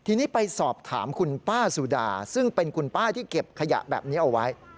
ทีนี้ไปสอบถามคุณป้าสุดาซึ่งเป็นคุณป้าที่เก็บขยะแบบนี้เอาไว้